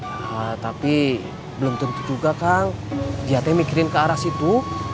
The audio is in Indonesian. nah tapi belum tentu juga kang jate mikirin ke arah situ